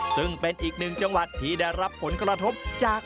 ซึ่งเป็นอีกหนึ่งจังหวัดที่ได้รับผลกระทบจาก